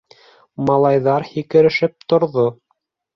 Малайҙар һикерешеп торҙо.